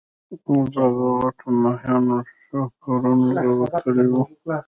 اوبه د غوټه ماهيانو شاهپرونه راوتلي وو.